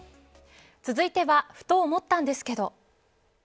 続いてはふと思ったんですけど。